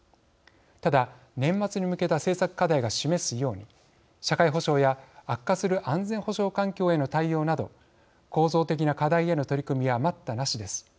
ただ、年末に向けた政策課題が示すように社会保障や悪化する安全保障環境への対応など構造的な課題への取り組みは待ったなしです。